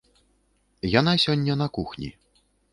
Яна сёння на кухні.